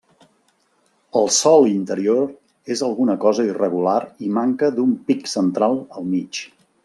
El sòl interior és alguna cosa irregular i manca d'un pic central al mig.